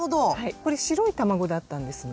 これ白い卵だったんですね。